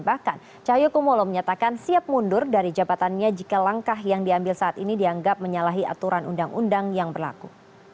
bahkan cahyokumolo menyatakan siap mundur dari jabatannya jika langkah yang diambil saat ini dianggap menyalahi aturan undang undang yang berlaku